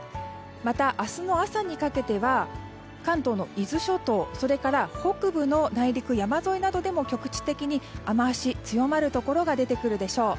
また明日の朝にかけては関東の伊豆諸島、それから北部の内陸、山沿いなどでも局地的に雨脚が強まるところが出てくるでしょう。